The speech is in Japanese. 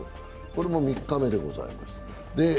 これも３日目でございます。